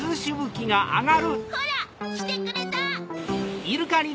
きてくれた！